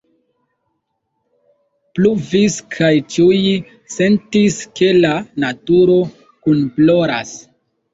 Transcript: Pluvis, kaj ĉiuj sentis, ke la naturo kunploras.